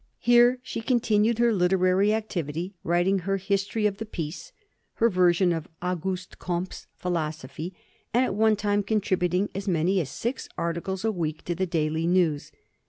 Here she continued her literary activity, writing her History of the Peace, her version of Auguste Comte's philosophy, and at one time contributing as many as six articles a week to the Daily News.